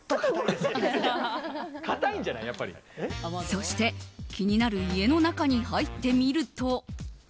そして、気になる家の中に入ってみると。